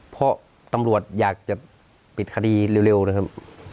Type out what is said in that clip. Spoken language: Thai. เพราะตำรวจอยากจะปิดคดีเร็วนะครับ